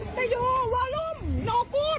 คุณต้องบอกไกลท์หัวคุณ